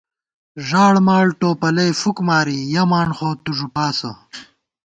ݫاڑماڑ ٹوپَلَئ فُک ماری، یَہ مانڈ خو تُو ݫُپاسہ